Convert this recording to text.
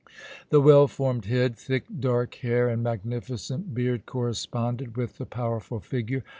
The well formed head, thick dark hair, and magnificent beard corresponded with the powerful figure.